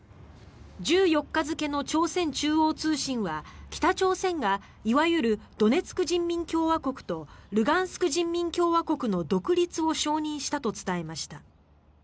１４日付の朝鮮中央通信は北朝鮮がいわゆるドネツク人民共和国とルガンスク人民共和国の独立を承認したと伝えました。